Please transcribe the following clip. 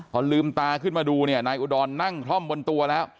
พอลืมตาขึ้นมาดูเนี่ยนายอุดรนั่งคล่อมบนตัวแล้ว